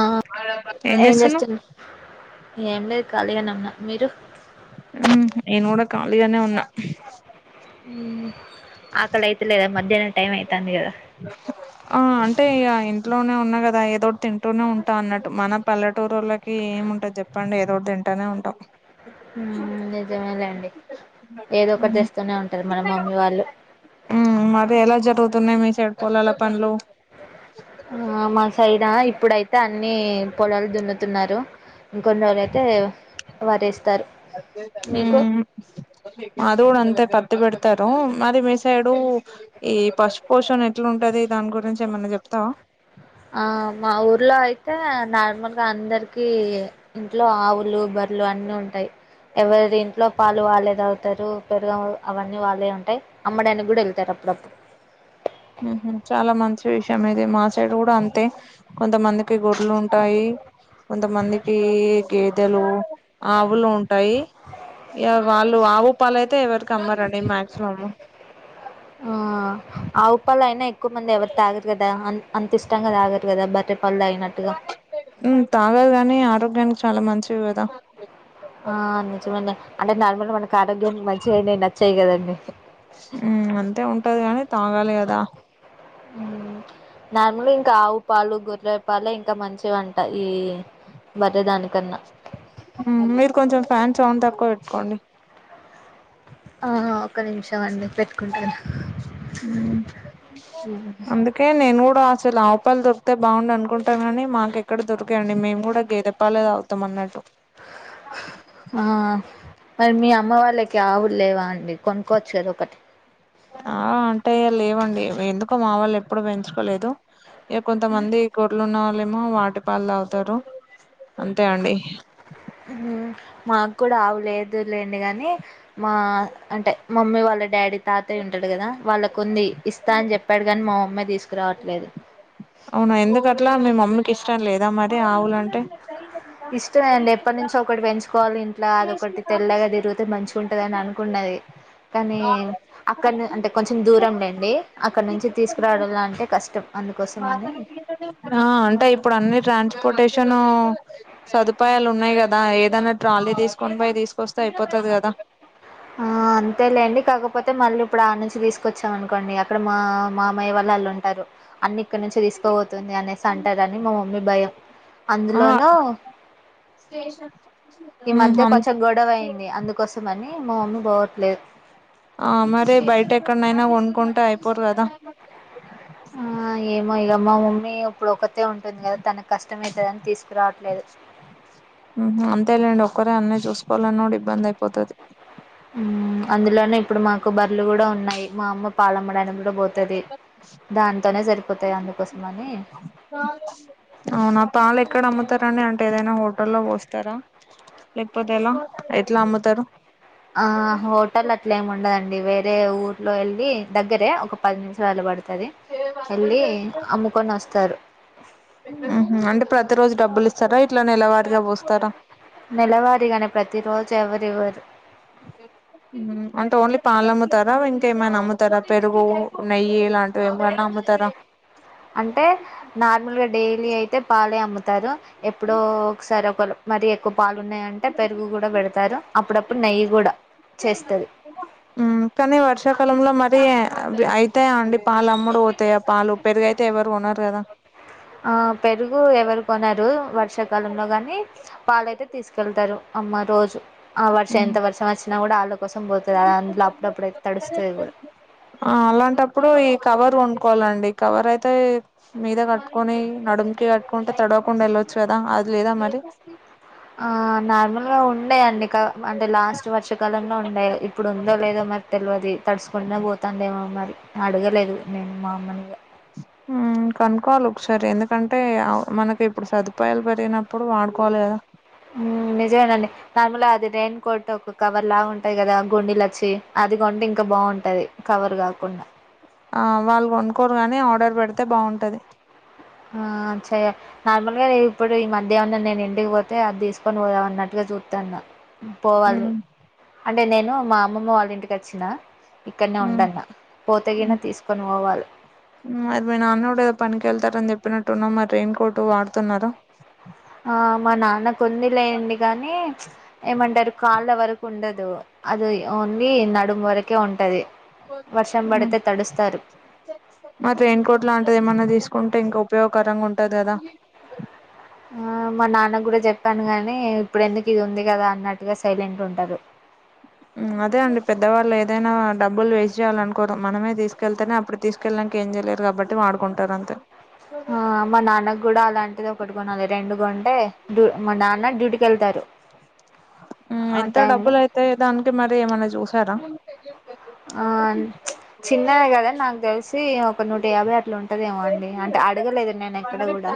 ఆ ఏం చేస్తు [unintelligible] హు నేను గూడ ఖాళీగనే ఉన్న ఆకలి అయితలేదా మధ్యాసం టైం అయితాంది గదా ఆ అంటే ఇగ ఇంట్లోనే ఉన్నా గదా ఏదోటి తింటూనే ఉంటా అన్నట్టు మన పల్లెటూరోల్ల కి ఏం ఉంటద్ జెప్పండి ఏదో ఒట్ తింటానే ఉంటం హ్మ్ నిజమేలేండి ఏదో ఒకట్ మ్మ్ దెస్తూనే ఉంటరు మన మమ్మీ వాళ్ళు ఉమ్ మరి ఎలా జరుగుతున్నాయ్ మీ సైడ్ పొలాల పనులు ఆ మా సైడా ఇప్పుడైతే అన్నీ పొలాలు దున్నుతున్నారు ఇంకొన్ని రోజులైతే వర్ ఎస్తారు ఊమ్ మాది గూడ అంతె పత్తి పెడతారు మాది మీ సైడు ఈ పశు పోషణ ఎట్లుంటది దాని గురించి ఏమన్న చెప్తావా ఆ మా ఊర్లో అయితే నార్మల్గా అందరికీ ఇంట్లో ఆవులు బర్లు అన్నీ ఉంటాయి ఎవరు ఇంట్లో పాలు వాళ్ళే తాగుతారు పెరుగవ్ అవన్నీ వాళ్ళయే ఉంటయ్ అమ్మడాని గూడ ఎళ్తరు అప్పుడప్పుడు ఉ హు చాలా మంచి విషయం ఇది మా సైడ్ గూడ అంతే కొంతమందికి గొర్లు ఉంటాయి కొంతమందికి గేదెలు ఆవులున్ టయి ఇగ వాళ్ళు ఆవు పాలైతే ఎవరిక్ అమ్మరండి మాక్సిమము ఆ ఆవు పాలైనా ఎక్కువ మంది ఎవరు తాగరు కదా అన్ అంత్ ఇష్టంగా తాగరు గదా బర్రె పాల్ తాగినట్టుగా ఉమ్ తాగదు గానీ ఆరోగ్యానిక్ చాలా మంచివి గదా ఆ నిజమండే అంటే నార్మల్గా మనకి ఆరోగ్యానికి మంచిగయినయ్ నచ్చయి గదండి ఉమ్ అంతే ఉంటది గానీ తాగాలి గదా ఉమ్ నార్మల్గా ఇంకా ఆవు పాలు గొర్రె పాలే ఇంకా మంచివంట ఈ బర్రె దాని కన్నా మ్ మీరు కొంచెం ఫ్యాన్ సౌండ్ తక్కువ వెట్టుకోండి ఆహ ఒక్క నిమిషం అండి పెట్టుకుంటాను ఉమ్ క్కె నేను గూడా అసలు ఆవు పాలు దొరిక్తే బాగుండు అనుకుంటాను గానీ మాక్ ఎక్కడ దొరు కేండి మేము గూడ గేదె పాలే తాగుతం అన్నట్టు ఆహ్ మరి మీ అమ్మ వాళ్ళకి ఆవు లేవా అండి కొనుక్కోవచ్చు గద ఒకటి ఆ అంటే ఇగ లేవండి వె ఎందుకో మా వాళ్ళు ఎప్పుడు పెంచుకోలేదు ఇగ కొంతమంది గొర్లు ఉన్న వాళ్ళేమో వాటి పాల్ తాగుతరు అంతే అండి హ్ మాక్కూడా ఆవు లేదులేండి గని మా అంటే మమ్మీ వాళ్ళ డాడీ తాతయ్య ఉంటడు గదా వాళ్ళ కుంది ఇస్తా అని చెప్ ప్పాడు గాని మా మమ్మి తీసుకురావట్లేదు అవునా ఎందుకట్లా మి మమ్మీకిష్టం లేదా మరి ఆవులంటే ఇష్టవే అండి ఎప్పట్ నుంచో ఒకటి వెంచుకోవాలింట్లా అదొకటి తెల్లగా తిరుగితే మంచి ఉంటదన్ అనుకున్నది కనీ అక్కడ్ నె అంటే కొంచెం దూరం లేండి అక్కడ్ నుంచి తీసుకురావడంల అంటే కష్టం అందుకోసం అని ఆ అంటే ఇప్పుడన్ని ట్రాన్స్పోర్టేషను సదుపాయాలున్నాయ్ గదా ఏదన్నా ట్రాలీ తీసుకొని పోయి తీసుకొస్తే అయిపోతది కదా ఆ అంతేలేండి కాకపోతే మళ్ళీ ఇప్పుడు ఆ నుంచి తీసుకొచ్చాం అనుకోండి అక్కడ మా మామయ్య వాళ్ళు ఆళ్ళు ఉంటరు అన్ని ఇక్క నుంచే తీసుకవోతుంది అనేసి అంటారని మా మమ్మీ భయం అ అందులోనూ ఈ మధ్య కొంచెం గొడవయింది అందుకోసం అని మా మమ్మీ బోవట్లేదు ఆ మరి బయట్ ఎక్కనైనా కొనుకుంటే అయిపోర్రదా ఆ ఏమో ఇగ మా మమ్మీ ఒప్పుడ్ ఒకతే ఉంటుంది గదా తన కష్టమయితదని తీసుకురావట్లేదు హుమ్ అంతేలేండి ఒక్కరే అన్న చూసుకోవాలన్న ఇబ్బంది అయిపోతది హుమ్ అందులోను ఇప్పుడు మాకు బర్లు కూడా ఉన్నాయి మా అమ్మ పాలమ్మడానికి కూడా పోతు పోతది దానితోనే సరిపోతాయి అందుకోసమని అవునా పాలు ఎక్కడ అమ్ముతారండి అంటే ఏదైనా హోటల్లో పోస్తారా లేకపోతే ఎలా ఎట్ల అమ్ముతారు ఆ హోటల్ అట్లా ఏమి ఉండదండి వేరే ఊర్లో వెళ్ళి దగ్గరే ఒక పది నిమిషాలు పడతది ఎళ్ళి అమ్ముకొని వస్తారు హుమ్ హు అంటే ప్రతి రోజు డబ్బులు ఇస్తారా ఇట్లా నెలవారిగా పోస్తరా నెలవారిగానే ప్రతిరోజు ఎవరివ్వరు హుమ్ అంటే ఓన్లీ పాలు అమ్ముతారా ఇంక ఏమైనా అమ్ముతారా పెరుగు నెయ్యి ఇలా ఏమైనా అమ్ముతార అంటే నార్మల్ గా డైలీ అయితే పాలే అమ్ముతారు ఎప్పుడో ఒకసారి ఒక మరి ఎక్కువ పాలున్నాయి అంటే పెరుగు కూడా పెడతారు అప్పుడప్పుడు నెయ్యి కూడా చేస్తరు హుమ్ కానీ వర్షాకాలంలో మరి అయితాయా అండి పాలు అమ్ముడు పోతాయా పాలు పెరుగయితే ఎవరు కొనరు కదా ఆ పెరుగు ఎవరు కొనరు వర్షాకాలంలో గాని పాలైతే తీసుకెళ్తారు అమ్మ రోజు ఆ వర్షం ఉమ్ ఎంత వర్షం వచ్చినా కూడా ఆళ్ళ కోసం పోతది అ అందులో అప్పుడప్పుడయితే తడుస్తది కూడా ఆ అలాంటప్పుడు ఈ కవర్ కొనుకోవాలండి కవర్ అయితే మీద కట్టుకొని నడుముకి కట్టుకుంటే తడవకుండా వెళ్ళొచ్చు కదా అది లేదా మరి ఆ నార్మల్గా ఉండేయండి కా అంటే లాస్ట్ వర్షాకాలంలో ఉండే ఇప్పుడు ఉందో లేదో మరి తెలవది తడుసుకుంటనే పోతందేమో మరి అడగలేదు నేను మా అమ్మనిగా మ్మ్ కనుక్కోవాలి ఒకసారి ఎందుకంటే మనకి ఇప్పుడు సదుపాయాలు పెరిగినప్పుడు వాడుకోవాలి కదా హుమ్ నిజమేనండి నార్మల్గా అది రెయిన్ కోట్ ఒక కవర్ లాగా ఉంటాయి కదా గుండిలచ్చి అది కొంటె ఇంకా బాగుంటది కవర్ కాకుండా ఆ వాళ్ళు కొనుక్కోరు కాని ఆర్డర్ పెడితే బాగుంటది ఆ చేయ నార్మల్గా నే ఇప్పుడు ఈ మధ్య ఏమన్నా నేను ఇంటికి పోతే అది తీసుకొని పోదాం అన్నట్టుగా చూత్తాన్న పోవాలి మ్మ్ అంటే నేను మా అమ్మమ్మ వాళ్ళ ఇంటికి వచ్చినా ఇక్కడనే మ్మ్ ఉండన్న పోతేగిన మ్మ్ తీసుకొని పోవాలి మరి మీ నాన్న కూడా ఏదో పనికి వెళ్తారని చెప్పినట్టున్నవ్ మరి రైయిన్ కోట్ వాడుతున్నార ఆ మా నాన్న కుందిలేండి కానీ ఏమంటారు కాళ్ళ వరకు ఉండదు అది ఓన్లీ నడుము వరకే ఉంటది వర్షం మ్మ్ పడితే తడుస్తారు మరి రెయిన్ కోట్ లాంటిది ఏమన్నా తీసుకుంటే ఇంకా ఉపయోగకరంగా ఉంటది కదా ఆ మా నాన్న కూడా చెప్పాను గాని ఇప్పుడు ఎందుకు ఇది ఉంది కదా అన్నట్టుగా సైలెంట్ ఉంటారు అదే అండి పెద్దవాళ్ళు ఏదైనా డబ్బులు వేస్ట్ చేయాలనుకోరు మనమే తీసుకెళ్తేనే అప్పుడు తీసుకెల్లినంక కి ఏం చేయలేరు కాబట్టి వాడుకుంటారు అంతే ఆ మా నాన్న కూడా అలాంటిది ఒకటి కొనాలి రెండు కొంటే డూ మా నాన్న డ్యూటీ కెళ్తారు ఎంత డబ్బులు అయితాయి దానికి మరి ఏమన్న చూసారా ఆ చిన్నది కదా నాకు తెలిసి ఒక నూట యాభై అట్లు ఉంటదేమో అండి అంటే అడగలేదు నేను ఎక్కడ కూడా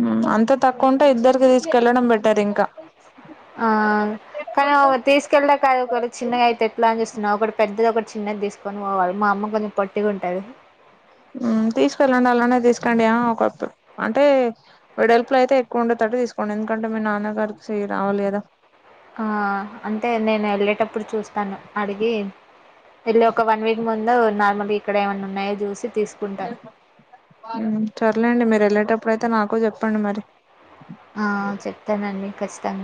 ఉమ్ అంత తక్కువ ఉంటే ఇద్దరికి తీసుకెళ్లడం బెటరు ఇంకా ఆ కానీ తీసుకెళ్లాక ఒక చిన్నగయితే ఎట్లా అని చూస్తున్న ఒకటి పెద్దది ఒకటి చిన్నది తీసుకొని పోవాలి మా అమ్మ కొంచెం పొట్టి గుంటది ఉమ్ తీసుకెళ్ళండి అలానే తీసుకోండి ఆ ఒక అంటే వెడల్పులో అయితే ఎక్కువ ఉండేటటు తీసుకోండి ఎందుకంటే మీ నాన్న గారికి రావాలి కదా ఆ అంటే నేను ఎళ్ళేటప్పుడు చూస్తాను అడిగి వెళ్ళి ఒక వన్ వీక్ ముం దు నార్మల్గ ఇక్కడ ఏమన్న ఉన్నాయ చూసి తీసుకు సర్లే అండి మీరు ఎళ్ళేటప్పుడు అయితే నాకు చెప్పండి మరి ఆ చెప్తానండి ఖచ్చితంగ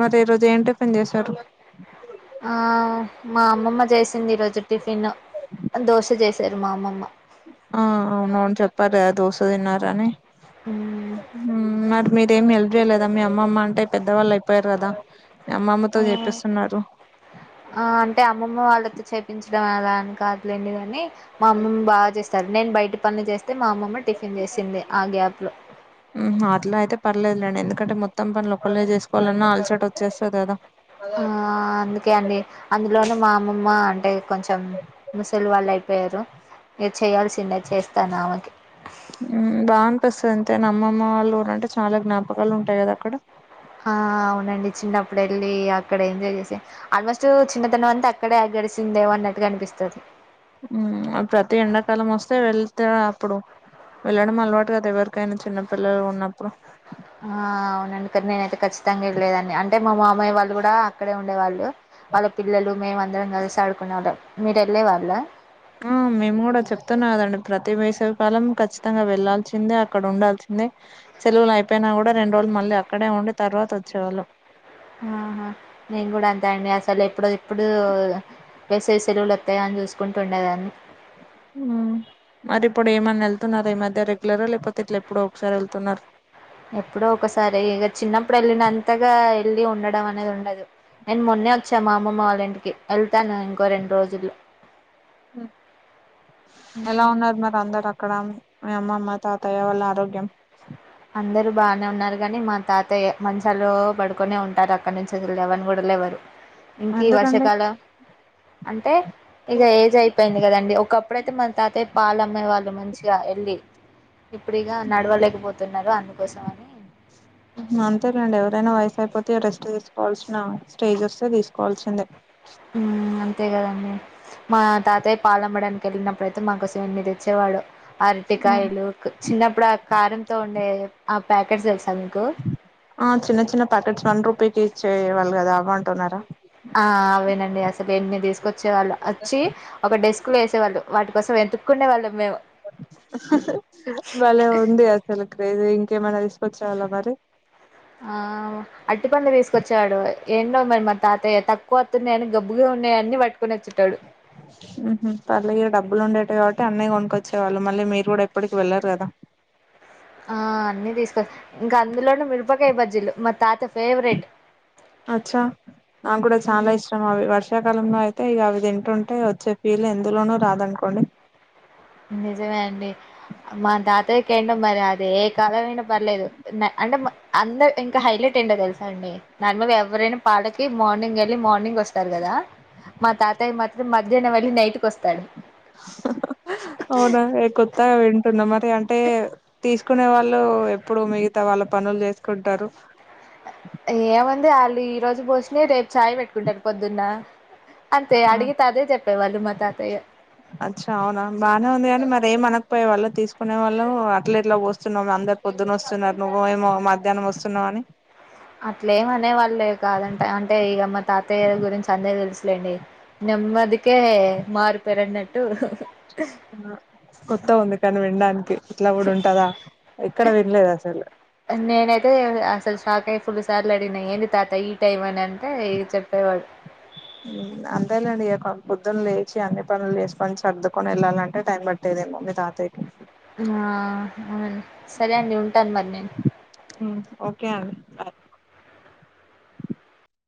మరి ఈ రోజు ఏం టిఫిన్ చేసారు ఆ మా అమ్మమ్మ చేసింది ఈ రోజు టిఫిన్ దోశ చేసారు మా అమ్మమ్మ ఆ అవునవును చెప్పారుగా దోశ తిన్నారని ఉమ్ ఉమ్ మరి మీరేమి హెల్ప్ చేయలేదా మీ అమ్మమ్మ అంటే పెద్దవాళ్ళు అయిపోయారు కదా అమ్మమ్మతో ఆ చేపిస్తున్నారు ఆ అంటే అమ్మమ్మ వాళ్ళతో చేపించడం ఎలా అని కాదలేండి గాని మా అమ్మమ్మ బాగ చేస్తారు నేను బయట పనులు చేస్తే మా అమ్మమ్మ టిఫిన్ చేసింది ఆ గ్యాప్ లో ఉహు అట్ల అయితే పర్లేదులే అండి ఎందుకంటే మొత్తం పనులు ఒకళ్ళే చేసుకోవాలన్నా అలసట వచ్చేస్తది కదా ఆ అందుకే అండి అందులోను మా అమ్మమ్మ అంటే కొంచం ముసలి వాళ్ళు అయిపోయారు ఇది చేయాల్సిందే చేస్తాను ఆమెకి బా అనిపిస్తది ఎంతయినా అమ్మమ్మ వాళ్ళ ఊరు అంటే చాలా జ్ఞాపకాలు ఉంటాయి కదా అక్కడ ఆ అవునండి చిన్నప్పుడు వెళ్ళి అక్కడ ఎంజాయ్ చేసి ఆల్మోస్ట్ చిన్నతనం అంతా అక్కడే గడిసిందేమో అన్నట్టుగా అనిపిస్తది ప్రతి ఎండాకాలం వస్తే వెళ్తేనె అప్పుడు వెళ్ళడం ఉమ్ అలవాటు కదా ఎవరికైన చిన్నపిల్లలు ఉన్నప్పుడు ఆ అవునండి కని నేనైతే ఖచ్చితంగా వెళ్లేదాన్ని అం టే మా మామయ్య వాళ్ళు కూడా అక్కడే ఉండేవాళ్ళు వాళ్ళ పిల్లలు మేము అందరం కలిసి ఆడుకునే వాళ్ళం మీరు ఎల్లే వాళ్ళ ఆ మేము కూడా చెప్తున్నాం కదండి ప్రతి వేసవి కాలం ఖచ్చితంగా వెళ్లాల్సిందే అక్కడ ఉండాల్సిందే సెలువులు అయిపోయినా కూడ రెండు రోలు మళ్లి అక్కడే ఉండి తర్వాత వచ్చేవాళ్ళం ఆహ నేను కూడ అంతే అండి అసలు ఎప్పుడు ఎప్పుడు వేసవి సెలువులు వత్తయ అని చూసుకుంటు ఉండే దాన్ని మరి ఇప్పుడు ఏమన్నా వెళ్తున్నార ఈ మధ్య రెగ్యులర్ లేకపోతే ఇట్లా ఎప్పుడో ఒకసారి వెళ్తున్నార ఎప్పుడో ఒకసారి ఇగ చిన్నప్పుడు వెళ్ళినంతగా ఎల్లి ఉండడం అనేది ఉండదు నేను మొన్నే వచ్చా మా అమమ్మ వాళ్ళ ఇంటికి వెళ్తాను ఇంకో రెండు రోజుల్లో ఎలా హ్మ్. ఉన్నారు మరి అందరు అక్కడ మీ అమ్మమ్మ తాతయ్య వాళ్ళ ఆరోగ్యం అందరు బాగనే ఉన్నారు గాని మా తాతయ్యె మంచలో పడుకునే ఉంటారు అక్కడ నుంచి లేవన్ కూడా లేవరు ఇంక ఈ ఎందుకండి వర్షాకాలం అంటే ఇగ ఏజ్ అయి పోయింది కదండి ఒకప్పుడైతే మన తాత పాల అమ్మే వాళ్ళు మంచిగ ఎళ్ళి ఇప్పుడిగ నడవలేకపోతున్నారు అందుకోసం అని అంతేలేండి ఎవరైన వయసు అయిపోతే రెస్ట్ తీసుకోవాల్సిన స్టేజ్ వస్తే తీసుకోవాల్సిందే ఉమ్ అంతే గదండీ మా తాతయ్య పాలమ్మడానికెల్లినప్పుడయితే మా కోసం ఎన్ని దెచ్చేవాడో అరటికాయలూ చిన్నప్పుడ్ ఆ కారంతో ఉండే ఆ ప్యాకెట్స్ తెలుసా మీకూ ఆ చిన్న చిన్న ప్యాకెట్స్ వన్ రూపీకిి ఇచ్చే వాళ్ళు గదా అవ్వంటున్నరా ఆ అవేనండి అసలు ఎన్ని దీసుకొచ్చే వాళ్లో అచ్చీ ఒక డెస్క్ లో ఏసేవాళ్ళు వాటి కోసం వెతుక్కుండే వాళ్ళం మేం భలే ఉంది అసలు క్రేజీ ఇంకేమైనా దీసుకొచ్చేవాల్లా మరీ ఆ అట్టి పండ్లు దీసుకొచ్చేవాడు ఏన్నో మరి మా తాతయ్య తక్కువ వత్తున్నయనీ గబ్బుగా ఉన్నాయన్ని పట్టుకొని వచ్చేటోడు ఉ హు తల్లు ఏ డబ్బులుండేటివి కావట్టి అన్నయ్య గొనుకొచ్చేవాళ్ళు మళ్ళీ మీరు గుడ ఎప్పడికి వెళ్లరు గదా ఆ అన్ని దీస్కొ ఇంకా అందులోను మిరపకాయ్ బజ్జీలు మా తాత ఫేవరెట్ అచ్ఛా నాక్ గుడ చాలా ఇష్ అవి వర్షాకాలంలో అయితే ఇగ అవి తింటుంటే వచ్చే ఫీల్ ఎందులోనూ రాదనుకోండి నిజమే అండీ మా దాతయ్య కేంటో మరి అది ఏ కాలం అయినా పర్లేదు అంటే మ అందర్ ఇంకా హైలెట్ ఏంటో దెల్సా అండీ నార్మల్గా ఎవ్వరైనా పాలకీ మార్నింగ్ ఎళ్ళి మార్నింగ్ వస్తార్ గదా మా తాతయ్య మాత్రం మధ్యాహ్నం వెళ్ళి నైట్కొస్తాడ్ అవునా ఏ కొత్తగ వింటున్నా మరే అంటే తీస్ కునేవాళ్లూ ఎప్పుడు మిగతా వాళ్ళ పనుల్ జేస్కుంటరు ఏముంది ఆళ్ళు ఈ రోజు బోసినయ్ రేప్ చాయ్ బెట్కుంటరు పొద్దున్నా అంతే అడిగితె అదే చెప్పేవాళ్ళు మా తాతయ్య అచ్ఛా అవునా బానే ఉంది గానీ మరి ఏం అనకపోయే వాళ్ళ తీసుకునే వాళ్లూ అట్లా ఎట్లా బోస్తున్నవ్ అందర్ పొద్దునొస్తున్నర్ నువ్వో ఎమో మధ్యాహ్నం వస్తున్నావని అట్లేమనే వాళ్లే గాదంట అంటే ఇగ మా తాతయ్య గురించి అందరికి దెలుసులేండి నెమ్మదికే మారుపేరన్నట్టూ కొత్తగుంది కనీ విన్డాన్కి ఇట్లా గుడుంటదా ఎక్కడ విన్లేదు అసలు నేనైతే అసలు షాక్ అయ్యి ఫుల్ సార్లు అడిగిన ఏంది తాత ఈ టైం అని అంటే చెప్పేవాడు అంతేలేండి ఇగ పొద్దున్న లేచి అన్ని పనుల్ జేస్కొని సర్దుకొని ఎళ్ళాలంటే టైం పడ్ ట్టేదేమో మీ తాతయ్కి ఆ ఔన్ సరే అండి ఉంటాన్ మరి నేన్ ఉమ్ ఓకే అండి బాయ్